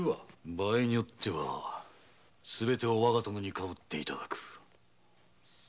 場合によってはすべてを我が殿にかぶって頂く。